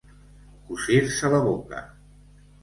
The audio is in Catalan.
Cosir-se la boca.